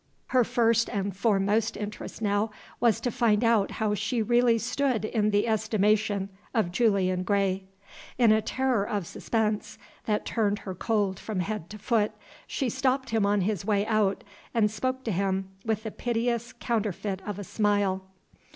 Her first and foremost interest now was to find out how she really stood in the estimation of Julian Gray. In a terror of suspense, that turned her cold from head to foot, she stopped him on his way out, and spoke to him with the piteous counterfeit of a smile.